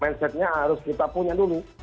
konsepnya harus kita punya dulu